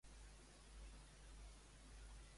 En què es va convertir el seu nom en el s.